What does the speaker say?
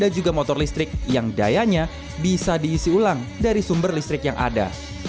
dan juga motor listrik yang dayanya bisa diisi ulang dari sumber listrik yang ada